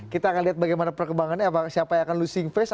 kita akan lihat bagaimana perkembangannya siapa yang akan losing face